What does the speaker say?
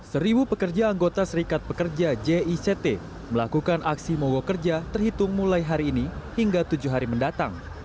seribu pekerja anggota serikat pekerja jict melakukan aksi mogok kerja terhitung mulai hari ini hingga tujuh hari mendatang